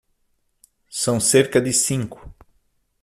São cerca de cinco.